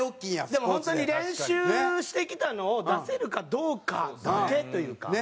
でも本当に練習してきたのを出せるかどうかだけというか。